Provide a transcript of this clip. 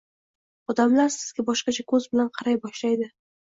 Odamlar sizga boshqacha koʻz bilan qaray boshlaydi